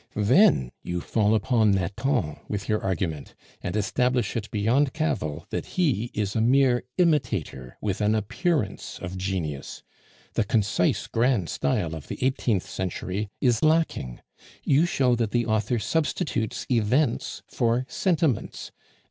"Then you fall upon Nathan with your argument, and establish it beyound cavil that he is a mere imitator with an appearance of genius. The concise grand style of the eighteenth century is lacking; you show that the author substitutes events for sentiments.